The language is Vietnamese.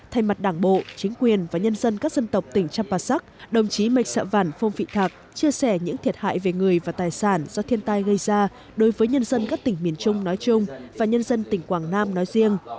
thay mặt đảng bộ chính quyền và nhân dân các dân tộc tỉnh champasak đồng chí mệch phong phị thạc chia sẻ những thiệt hại về người và tài sản do thiên tai gây ra đối với nhân dân các tỉnh miền trung nói chung và nhân dân tỉnh quảng nam nói riêng